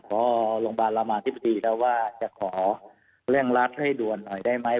พอโรงพยาบาลรามาธิบดีแล้วว่าจะขอเร่งรัดให้ด่วนหน่อยได้ไหม